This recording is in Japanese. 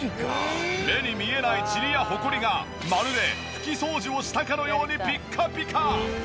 目に見えない塵やホコリがまるで拭き掃除をしたかのようにピッカピカ！